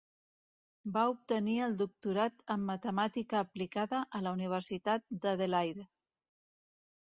Va obtenir el doctorat en Matemàtica aplicada a la Universitat d'Adelaide.